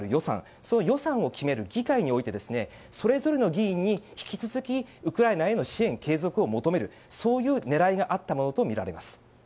その予算を決める議会においてそれぞれの議員に、引き続きウクライナへの支援継続を求めるそういう狙いがあったものとみられます。